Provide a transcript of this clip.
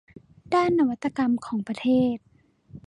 ด้านนวัตกรรมของประเทศ